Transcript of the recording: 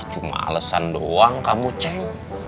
cuma alesan doang kamu ceng